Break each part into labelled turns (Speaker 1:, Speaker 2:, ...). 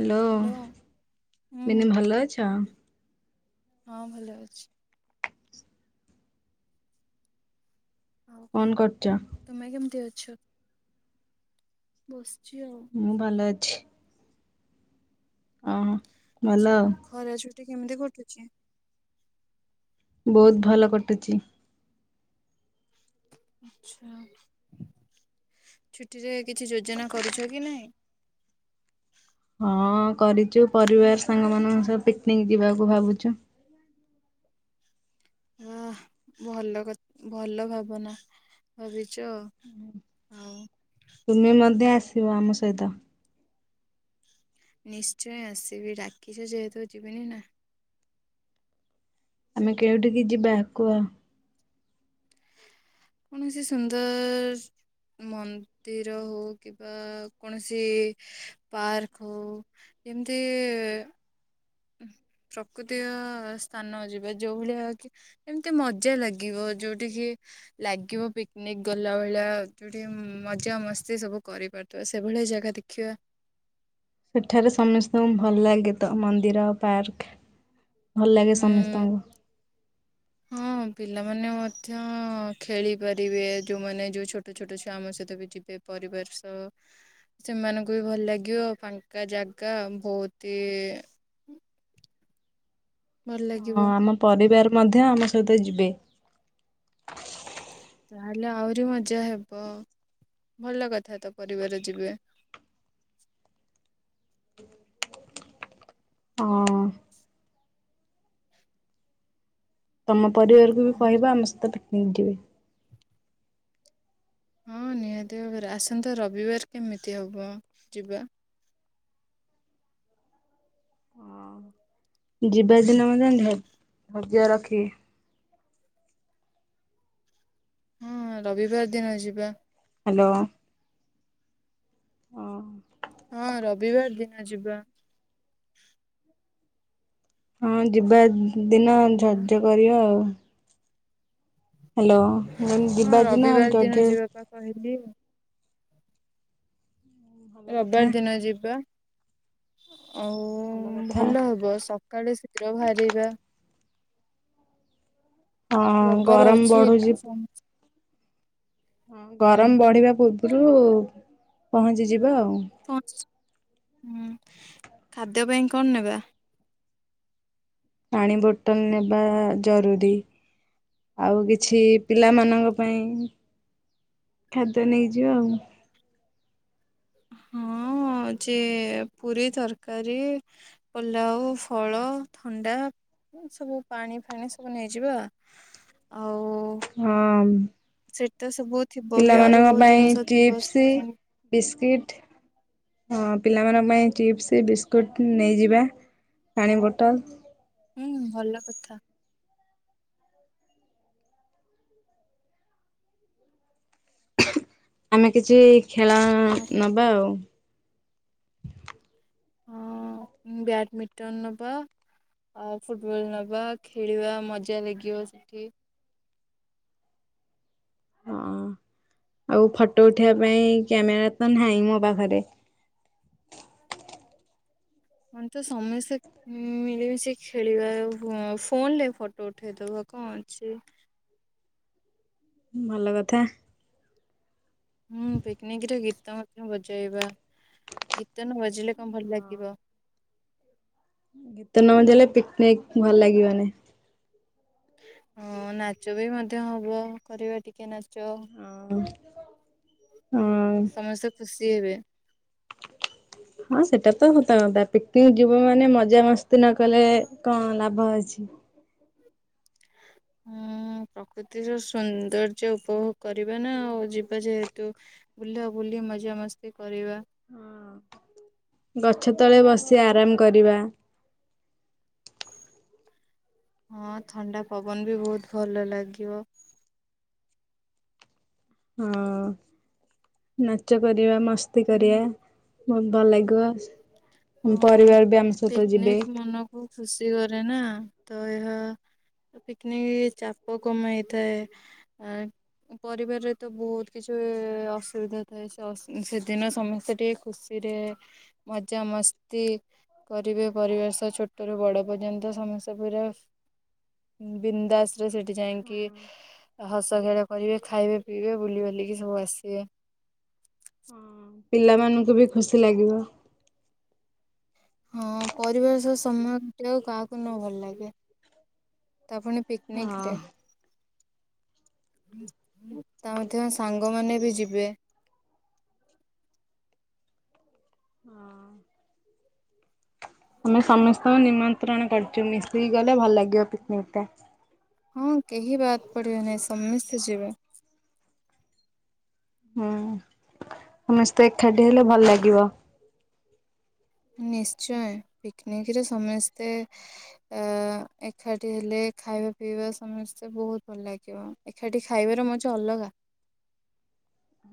Speaker 1: Hello
Speaker 2: ହୁଁ
Speaker 1: ମିନି ଭଲ ଅଛ।
Speaker 2: ହଁ ଭଲ ଅଛି। ଆଉ
Speaker 1: କଣ କରୁଛ।
Speaker 2: ତୁମେ କେମିତି ଅଛ? ବସିଛି ଆଉ
Speaker 1: ମୁଁ ଭଲ ଅଛି। ଆଉ ଭଲ
Speaker 2: ଆଚ୍ଛା ଖରା ଛୁଟି କେମିତି କଟୁଛି।
Speaker 1: ବହୁତ ଭଲ କଟୁଛି।
Speaker 2: ଛା ଛୁଟିରେ କିଛି ଯୋଜନା କରୁଛ କି ନାହିଁ?
Speaker 1: ହଁ କରିଛୁ ପରିବାର ସାଙ୍ଗମାନଙ୍କ ସହ ପିକନିକ୍ ଯିବାକୁ ଭାବୁଛୁ
Speaker 2: ହୁଁ ଭଲ କ ଭଲ ଭାବନା ଭାବିଚ। [unintelligible]
Speaker 1: ତୁମେ ମଧ୍ୟ ଆସିବ ଆମ ସହିତ।
Speaker 2: ନିଶ୍ଚୟ ଆସିବି ଡାକିଛ ଯେହେତୁ ଯିବିନି ନା
Speaker 1: ଆମେ କେଉଁଠିକି ଯିବା କୁଆ?
Speaker 2: ମାନେ ସେ ସୁନ୍ଦର ମନ୍ଦିର ହଉ କିମ୍ବା କୌଣସି ପାର୍କ ହଉ ଏମିତି ପ୍ରକୃତିର ସ୍ଥାନ ଯିବା ଯେଉଁ ଭଳିଆ କି ଏମିତି ମଜା ଲାଗିବ ଯୋଉଠି କି ଲାଗିବ ପିକ୍ନିନିକ୍ ଗଲା ଭଳିଆ ଯୋଉଠି ମଜା ମସ୍ତି ସବୁ କରିପାରୁ ତ ସେଭଳିଆ ଜାଗା ଦେଖିବା।
Speaker 1: ସେଠାରେ ସମସ୍ତଙ୍କୁ ଭଲ ଲାଗେ ତ ମନ୍ଦିର ପାର୍କ। ଭଲ ଲାଗେ
Speaker 2: ହୁଁ।
Speaker 1: ସମସ୍ତଙ୍କୁ।
Speaker 2: ହଁ ପିଲାମାନେ ମଧ୍ୟ ଖେଳିପାରିବେ ଯେଉଁମାନେ ଯେଉଁ ଛୋଟ ଛୋଟ ଛୁଆ ଆମ ସହିତ ବି ଯିବେ। ପରିବାର ସଅ। ସେମାନଙ୍କୁ ବି ଭଲ ଲାଗିବ ଫାଙ୍କା ଜାଗା ବୋହୁତି ଭଲ
Speaker 1: ହଁ
Speaker 2: ଲାଗିବ
Speaker 1: ଆମ ପରିବାର ମଧ୍ୟ ଆମ ସହିତ ଯିବେ।
Speaker 2: ତାହେଲେ ଆହୁରି ମଜା ହେବ ଭଲ କଥା ତ ପରିବାର ଯିବେ।
Speaker 1: ହଁ। ତମ ପରିବାରକୁ ବି କହିବ ଆମ ସହିତ ପିକ୍ନି ନିକ୍ ଯିବେ।
Speaker 2: ହଁ ନିହାତି ଭାବରେ ଆସନ୍ତା ରବିବାର କେମିତି ହବ ଯିବା।
Speaker 1: ଯିବା ଦିନେ ମଧ୍ୟ ଧ ଧୈର୍ଯ୍ୟ ରଖି।
Speaker 2: ହଁ ରବିବାର ଦିନ ଯିବା।
Speaker 1: ହାଲୋ। ଅହଂ। [unintelligible]
Speaker 2: ହଁ ରବିବାର ଦିନ ଯିବା।
Speaker 1: ହଁ ଯିବା ଦିନ
Speaker 2: ହ୍ୟାଲୋ
Speaker 1: ଧାଯ୍ୟ କରିବା ଆଉ। ହାଲୋ ମୁଁ
Speaker 2: ହଁ
Speaker 1: ଯିବା ଦିନେ
Speaker 2: ରବିବାର ଦିନ
Speaker 1: ଯୋଥେ [unintelligible]
Speaker 2: ଯିବା ପା କହିଲି।
Speaker 1: ଭଲ କଥା
Speaker 2: ରବିବାର ଦିନ ଯିବା ଆଉ
Speaker 1: ଭଲ କଥା
Speaker 2: ଭଲ ହବସ। କାଳେ ଶୀଘ୍ର ବାହାରିବା।
Speaker 1: ହଁ
Speaker 2: ରଵିବାରେ
Speaker 1: ଗରମ
Speaker 2: ଅଛି।
Speaker 1: ବଢୁଛି
Speaker 2: [unintelligible]
Speaker 1: ହଁ
Speaker 2: ହୁଁ
Speaker 1: ଗରମ ବଢିବା ପୂର୍ବରୁ ପହଞ୍ଚିଯିବା ଆଉ।
Speaker 2: ପହଂଚ ହୁଁ ଖାଦ୍ୟ ପାଇଁ କଣ ନେବା?
Speaker 1: ପାଣି ବୋଟଲ ନେବା ଜରୁରୀ। ଆଉ କିଛି ପିଲାମାନଙ୍କ ପାଇଁ ଖାଦ୍ୟ ନେଇଯିବେ ଆଉ।
Speaker 2: ହଁ ଯେ ପୁରି ତରକାରୀ ପୋଲାଉ, ଫଳ, ଥଣ୍ଡା ସବୁ ପାଣି ଫାଣି ସବୁ ନେଇଯିବା ଆଉ
Speaker 1: ହୁଁମ୍।
Speaker 2: ସେଠି ତ ସବୁ ଥିବ ବି ଆହୁରି ବହୁତୁ ଦିନିଷ ଥିବ ସେଠିକିଣି
Speaker 1: ବିସ୍କ୍ୱିଟ୍। ହଁ ପିଲାମାନଙ୍କ ପାଇଁ ଚିପ୍ସ ବିସ୍କୁଟ୍ ନେଇଯିବା ପାଣି ବୋଟଲ।
Speaker 2: ହୁଁ ଭଲ କଥା।
Speaker 1: ଆମେ କିଛି ଖେଳ
Speaker 2: ଆଉ କଣ
Speaker 1: ନବା ଆଉ।
Speaker 2: ହଁ ବ୍ୟାଡ଼ମିଣ୍ଟନ ନେବା ଆଉ ଫୁଟବଲ ନବା ଖେଳିବା ମଜା ଲେଗିବ ସେଠି।
Speaker 1: ହଁ ଆଉ ଫଟୋ ଉଠେଇିଆ ପାଇଁ କ୍ୟାମେରା ତ ହ୍ନାଇଁ ମୋ ପାଖରେ।
Speaker 2: ଆନ୍‌ଚ ସମେସେ ଉଁ ମିଳିମିଶି ଖେଳିବା ଆଉ ଫୋ ଫୋନରେ ଫଟୋ ଉଠେଇଦବା କଁ ଅଛି?
Speaker 1: ଭଲକଥା।
Speaker 2: ହୁଁ ପିକନିକ ରେ ଗୀତ ମଧ୍ୟ ବଜାଇବା ଗୀତ ନ ବାଜିଲେ କଁ ଭଲ ଲାଗିବ।
Speaker 1: ଗୀତ ନ ଡେଲେ ପିକ୍‌ନିକ୍‌ ଭଲ ଲାଗିବନି।
Speaker 2: ହଁ ନାଚ ବି ମଧ୍ୟ ହବ କରିବା ଟିକେ ନାଚ।
Speaker 1: ହଁ।
Speaker 2: ସମସ୍ତେ ତୁସି ହେବେ।
Speaker 1: ହଁ ସେଟାତ ହତକତା ପିକନିକ୍‌ ଯିବୁ ମାନେ ମଜାମସ୍ତି ନ କଲେ କଁ ଲାଭ ଅଛି?
Speaker 2: ହୁଁ। ଉଁ ପ୍ରକୃତିର ସୌନ୍ଦର୍ଯ୍ୟ ଉପଭୋଗ କରିବା ନା ଆଉ ଯିବା ଯେହେତୁ ବୁହ୍ଲାବୁଲି ମଜାମସ୍ତି କରିବା।
Speaker 1: ଗଛତଳେ ବସି ଆରାମ କରିବା।
Speaker 2: ହଁ ଥଣ୍ଡା ପବନ ବି ଭଉତ ଭଲ ଲାଗିବ।
Speaker 1: ହଁ ନାଚ କରିବା ମସ୍ତି କରିଆ ବହୁତ ଭଲ ଲାଗିବ। ଉଁମ ଅପରିବାର ବି ଆମ ସହିତ ଯିବେ।
Speaker 2: ବହୁ ଖୁସିଅରେ ନା ତ ଏହା ତ ପିକ୍ ନି ଚାପ କମେଇଥାଏ ଆଁ ପରିବାରରେ ତ ବହୁତ କିଛି ଅସୁବିଧା ଥାଏ ସେ ଅସ୍ ସେଦିନ ସମସ୍ତେ ଟିକେ ଖୁସିରେ ମଜାମସ୍ତି କରିବେ ପରିବାର ସହ ଛୋଟରୁୁ ବଡ ପର୍ଯ୍ୟନ୍ତ ସମସ୍ତେ ପୁରା ଉଁ ବିନ୍ଦାସରେ ସେଠି ଯାଇଁକି ହସଖେଳ କରିବେ ଖାଇବେ ପିଇବେ ବୁଲି ବାଲିକି ସବୁ ଆସିବେ।
Speaker 1: ହଁ। ପିଲାମାନଙ୍କୁ ବି ଖୁସି ଲାଗିବ।
Speaker 2: ହଁ ପରିବାର ସହ ସମୟ କଟିବାକୁ କାହାକୁ ନ ଭଲ ଲାଗେ। ତା ଫୁଣି
Speaker 1: ହଁ।
Speaker 2: ପିକନିକରେ। ତା ମଧ୍ୟ ସାଙ୍ଗମାନେ ବି ଯିବେ।
Speaker 1: ହଁ। ଆମେ ସମସ୍ତଙ୍କୁ ନିମନ୍ତ୍ରଣ କର ଚୁ ମିଶିକି ଗଲେ ଭଲ ଲାଗିବ ପିକନିକଟା।
Speaker 2: ହଁ କେହି ବାଦ୍‌ପଡିବେ ନାଇଁ ସମେସ୍ତେ ଯିବେ।
Speaker 1: ହୁଁ ସମେସ୍ତେ ଏଖାଟି ହେଲେ ଭଲ ଲାଗିବ।
Speaker 2: ନିଶ୍ଚୟ ପିକ଼୍ନିକରେ ସମେସ୍ତେ ଅ ଏକାଠି ହେଲେ ଖାଇବା ପିଇବା ସମସ୍ତେ ବହୁତ ଭଲ ଲାଗିବ। ଏଖାଟି ଖାଇବାର ମଜା ଅଲଗା।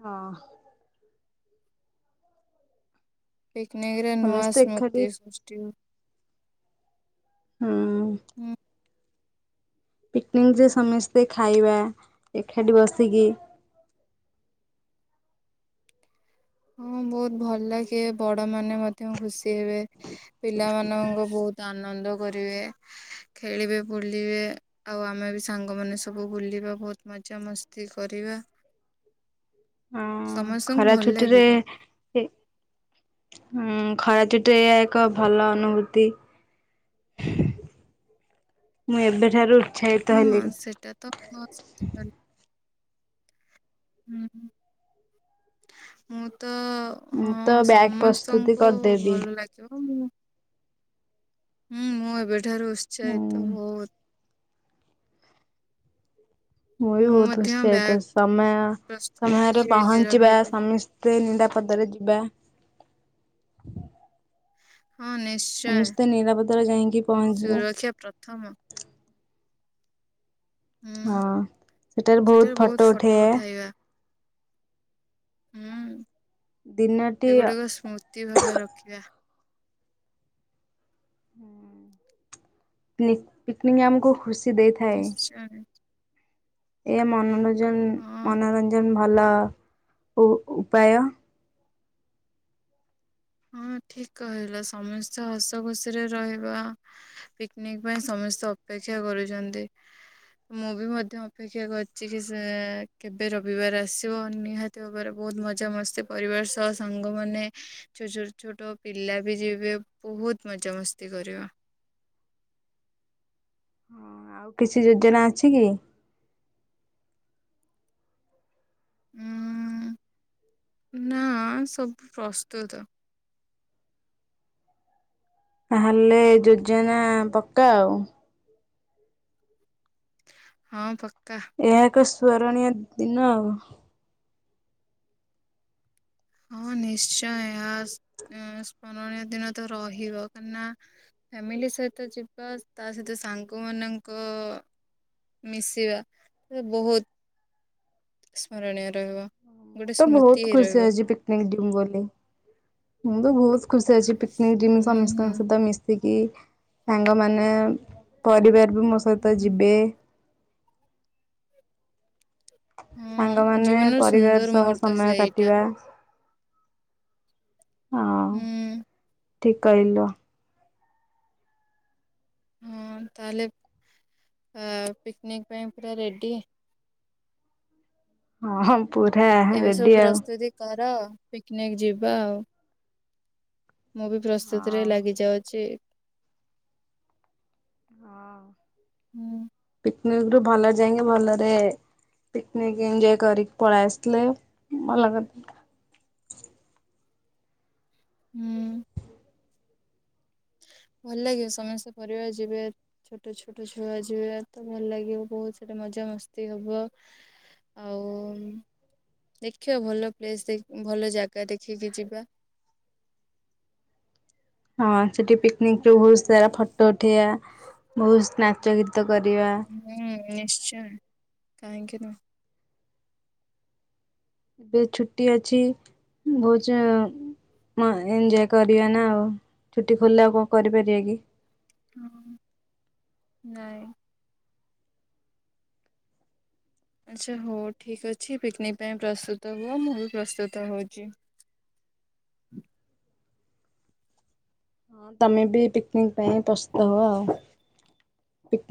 Speaker 1: ହଁ।
Speaker 2: ପିକ୍‌ନିକରେ ନୂଆ
Speaker 1: ସମସ୍ତେ ଏକାଠି
Speaker 2: ସ୍ମୃତି ସୃଷ୍ଟି ହୁ
Speaker 1: ହୁଁ।
Speaker 2: ହୁଁ।
Speaker 1: ପିକ୍‌ନିକରେ ସମେସ୍ତେ ଖାଇବା ଏଖାଟି ବସିକି
Speaker 2: ହଁ ବହୁତ ଭଲଲାଗେ ବଡମାନେ ମଧ୍ୟ ଖୁସିହେବେ ପିଲାମାନଙ୍କ ବହୁତ ତ ଆନନ୍ଦ କରିବେ ଖେଳିବେ ବୁଲିବେ ଆଉ ଆମେ ବି ସାଙ୍ଗମାନେ ସବୁ ବୁଲିବା ଭଉତ ମଜାମସ୍ତି କରିବା। ସମସ୍ତଙ୍କୁ ଭଲ ଲାଗେ।
Speaker 1: ସେ, ସେ ହୁଁ, ଖରାଛୁଟି ରେ ଏହା ଏକ ଭଲ ଅନୁଭୂତି। ମୁଁ ଏବେଠାରୁ ଉତ୍ସାହିତ
Speaker 2: ହଁ
Speaker 1: ହେଲିଣିି।
Speaker 2: [unintelligible] ହୁଁ, ମୁଁ ତ
Speaker 1: ମୁଁ
Speaker 2: ହଁ,
Speaker 1: ତ ବ୍ୟାଗ୍ ପ୍ରସ୍ତୁତି
Speaker 2: ସମସ୍ତଙ୍କୁ
Speaker 1: କରିଦେବି।
Speaker 2: ଭଲ ଲାଗିବ। ମୁଁ ହୁଁ, ମୁଁ ଏବେଠାରୁ ଉତ୍ସାହିତ
Speaker 1: ହୁଁ
Speaker 2: ବହୁତ।
Speaker 1: ମୁଁ ବି ବହୁତ
Speaker 2: ମଧ୍ୟ
Speaker 1: ଉତ୍ସାହିତ।
Speaker 2: ବ୍ୟାଗ୍
Speaker 1: ସମୟ ସମୟରେ
Speaker 2: ପ୍ରସ୍ତୁତି
Speaker 1: ପହଞ୍ଚିବା
Speaker 2: ରହିବି
Speaker 1: ସମସ୍ତେ। ଟେ ନିରାପଦରେ ଯିବା
Speaker 2: ହଁ ନିଶ୍ଚୟ,
Speaker 1: ସମସ୍ତେ ନିରାପଦରେ ଯାଇକି ପହଞ୍ଚିବା
Speaker 2: ସୁରକ୍ଷା ପ୍ରଥମ। ହୁଁ
Speaker 1: ହଁ, ସେଠାରେ ବହୁତ ଫଟୋ ଉଠେଇଆ।
Speaker 2: ହୁଁ,
Speaker 1: ଦିନଟି
Speaker 2: ସେଗୁଡିକ ସ୍ମୃତି ଭାବେ ରଖିବା।
Speaker 1: ପିକ ପିକନିକ ଆମକୁ ଖୁସି ଦେଇଥାଏ।
Speaker 2: ନିଶ୍ଚୟ।
Speaker 1: ଏହା ମନୋରଞ୍ଜନ,
Speaker 2: ହଁ
Speaker 1: ମନୋରଞ୍ଜନ ଭଲ ଉ ପାୟ।
Speaker 2: ହଁ ଠିକ କହିଲ। ସମସ୍ତେ ହସ ଖୁସିରେ ରହିବା। ପିକନିକ ପାଇଁ ସମସ୍ତେ ଅପେକ୍ଷା କରୁଛନ୍ତି। ମୁଁ ବି ମଧ୍ୟ ଅପେକ୍ଷା କରିଛି କି ସେ କେବେ ରବିବାର ଆସିବ ନିହାତି [unintelligible] ବହୁତ ମଜା ମସ୍ତି, ପରିବାର ସହ ସାଙ୍ଗମାନେ ସେ ଛୋଟ ଛୋଟ ପିଲା ବି ଯିବେ ବହୁତ ମଜାମସ୍ତି କରିବା।
Speaker 1: ଆଉ କିଛି ଯୋଜନା ଅଛି କି?
Speaker 2: ଉଁ, ନା ସବୁ ପ୍ରସ୍ତୁତ।
Speaker 1: ତା ହେଲେ ଯୋଜନା ପକ୍କା ଆଉ।
Speaker 2: ହଁ ପକ୍କା।
Speaker 1: ଏହା ଏକ ସ୍ମରଣୀୟ ଦିନ ଆଉ।
Speaker 2: ହଁ ନିଶ୍ଚୟ। ଏହା ସ୍କ ସ୍ମରଣୀୟ ଦିନ ତ ରହିବ କାହିଁ ନା ଫ୍ୟାମିଲି ସହିତ ଯିବା ତା ସହିତ ସାଙ୍ଗ ମାନଙ୍କ ମିଶିବା, ସେ ବହୁତ ସ୍ମରଣୀୟ ରହିବ।
Speaker 1: ମୁଁ
Speaker 2: ଗୋଟେ
Speaker 1: ତ
Speaker 2: ସ୍ମୃତି
Speaker 1: ବହୁତ
Speaker 2: ହେଇ
Speaker 1: ଖୁସି
Speaker 2: ରହିବ।
Speaker 1: ଆଜି ପିକ୍ ନିକ ଯିବି ବୋଲି। ମୁଁ ତ ବହୁତ ଖୁସି ଅଛିି ପିକନିକ ଯିବି
Speaker 2: ହୁଁ ହୁଁ
Speaker 1: ସମସ୍ତଙ୍କ ସହିତ ମିଶି ତିକି ସାଙ୍ଗମାନେ, ପରିବାର ବି ମୋ ସହିତ
Speaker 2: ହୁଁ।
Speaker 1: ଯିବେ।
Speaker 2: ହଁ
Speaker 1: ସାଙ୍ଗମାନେ,
Speaker 2: ଜୀବନର
Speaker 1: ପରିବାର
Speaker 2: ସୁନ୍ଦର
Speaker 1: ସହ
Speaker 2: ମୁହୂର୍ତ୍ତ
Speaker 1: ସମୟ
Speaker 2: ସେଇଟା
Speaker 1: କାଟିବା। ହଁ।
Speaker 2: ହୁଁ।
Speaker 1: ଠିକ କହିଲୁ।
Speaker 2: ହଁ, ତାହେଲେ ଏ ପିକ୍ନିକ୍ ପାଇଁ ପୁରା ରେଡ଼ି।
Speaker 1: ହଁ ହଁ, ପୁରା
Speaker 2: ଏବେ ସବୁ
Speaker 1: ରେଡି ଆଉ।
Speaker 2: ପ୍ରସ୍ତୁତି କର ପିକନିକ ଯିବା ଆଉ। ମୁଁ ବି ପ୍ରସ୍ତୁତିରେ
Speaker 1: ହଁ
Speaker 2: ଲାଗିଯାଉଛି। ହୁଁ
Speaker 1: ପିକ୍ନିକ ରୁ ଭଲରେ ଯାଇକି ଭଲରେ ପିକନିକ ଏନଜୟ କରିିକି ପଳେଇ ଆସିଲେ ଭଲ କଥା।
Speaker 2: ହୁଁ। ଭଲ ଲାଗିବ। ସମସ୍ତେ ପରିବାର ଯିବେ। ଛୋଟ ଛୋଟ ଛୁଆ ଯିବା ତ ଭଲ ଲାଗିବ ବହୁତ ସେଟା ମଜା ମସ୍ତି ହବ। ଆଉ ଦେଖିବା ଭଲ ପ୍ଲେସ୍ ଭଲ ଜାଗା ଦେଖିକି ଯିବା।
Speaker 1: ହଁ ସେଠି ପିକନିକ ରୁ ବହୁତ ସାରା ଫଟୋ ଉଠେଇଆ। ବହୁତ ନାଚ ଗୀତ କରିବା।
Speaker 2: ହୁଁ ନିଶ୍ଚୟ, କାହିକି ନା
Speaker 1: ଏବେ ଛୁଟି ଅଛି। ଭୋଜା ଏଞଜୟ କରିବା ନା ଆଉ। ଛୁଟି ଖୋଲିଲା ଆଉ କଣ କରିପାରିବା କି?
Speaker 2: ହଁ ନାଇଁ। ଆଚ୍ଛା ହଉ ଠିକ୍ ଅଛି। ପିକନିକ୍ ପାଇଁ ପ୍ରସ୍ତୁତ ହୁଅ ମୁଁ ବି ପ୍ରସ୍ତୁତ ହେଉଚି।
Speaker 1: ହଁ ତମେ ବି ପିକନିକ୍ ପାଇଁ ପ୍ରସ୍ତୁତ ହୁଅ ଆଉ ପିକନି - -